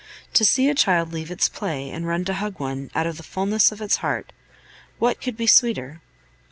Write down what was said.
To see a child leave its play and run to hug one, out of the fulness of its heart, what could be sweeter?